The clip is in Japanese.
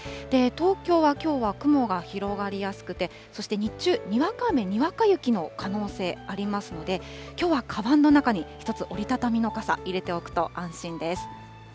東京はきょうは雲が広がりやすくて、そして日中、にわか雨、にわか雪の可能性ありますので、きょうはかばんの中に１つ、折り畳みの傘、入れておくと安心です。